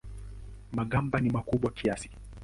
Magamba ni makubwa kiasi.